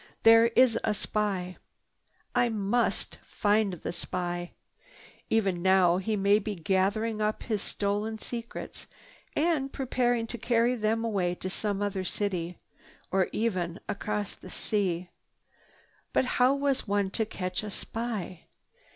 "There is the spy. I must find the spy. Even now he may be gathering up his stolen secrets and preparing to carry them away to some other city, or even across the sea." But how was one to catch a spy?